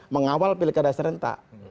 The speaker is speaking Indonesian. mengawal pilihan dasar rentak